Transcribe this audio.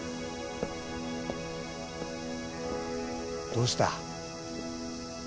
どうした？